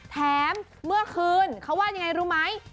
เมื่อคืนเขาว่ายังไงรู้ไหม